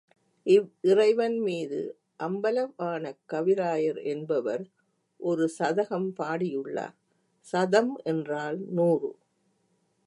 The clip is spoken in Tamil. இவ் விறைவன்மீது அம்பல வாணக் கவிராயர் என்பவர் ஒரு சதகம் பாடியுள்ளார், சதம் என்றால் நூறு.